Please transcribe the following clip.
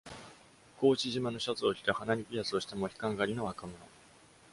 格子縞のシャツを着て鼻にピアスをしたモヒカン刈りの若者。